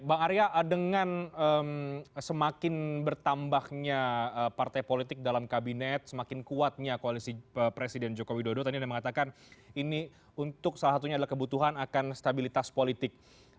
bang arya dengan semakin bertambahnya partai politik dalam kabinet semakin kuatnya koalisi presiden jokowi dodo tadi anda mengatakan ini untuk salah satunya adalah kebutuhan akan stabilitas politik